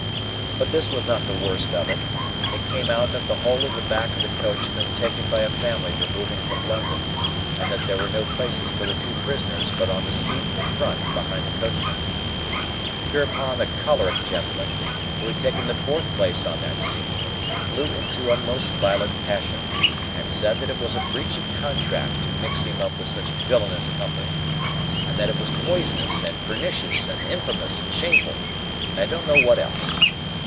But this was not the worst of it. It came out that the whole of the back of the coach had been taken by a family removing from London, and that there were no places for the two prisoners but on the seat in front behind the coachman. Hereupon, a choleric gentleman, who had taken the fourth place on that seat, flew into a most violent passion, and said that it was a breach of contract to mix him up with such villainous company, and that it was poisonous, and pernicious, and infamous, and shameful, and I don't know what else.